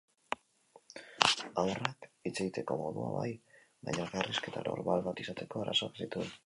Haurrak hitz egiteko modua bai, baina elkarrizketa normal bat izateko arazoak zituen.